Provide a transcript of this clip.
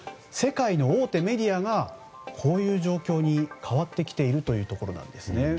世界の大手メディアがこういう状況に変わってきているということなんです。